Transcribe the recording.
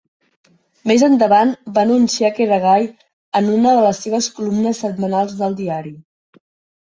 Més endavant va anunciar que era gai en una de les seves columnes setmanals del diari.